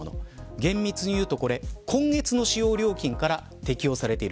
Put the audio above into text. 厳密に言うと今月の使用料金から適用されている。